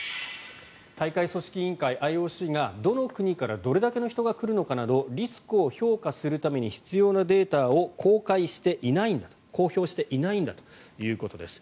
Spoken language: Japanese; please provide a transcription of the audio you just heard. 大会組織委員会、ＩＯＣがどの国からどれだけの人が来るのかなどリスクを評価するために必要なデータを公表していないんだということです。